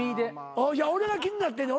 俺が気になってんねん。